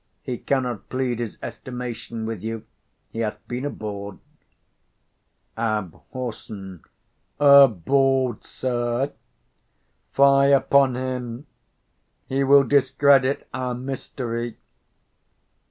He cannot plead his estimation with you; he hath been a bawd. Abhor. A bawd, sir? fie upon him! he will discredit our mystery.